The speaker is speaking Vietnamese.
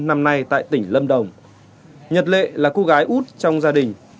năm nay tại tỉnh lâm đồng nhật lệ là cô gái út trong gia đình